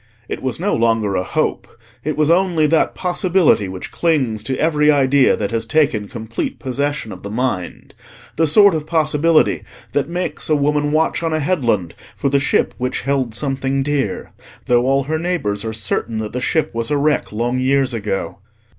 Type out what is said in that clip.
It was no longer a hope; it was only that possibility which clings to every idea that has taken complete possession of the mind: the sort of possibility that makes a woman watch on a headland for the ship which held something dear, though all her neighbours are certain that the ship was a wreck long years ago.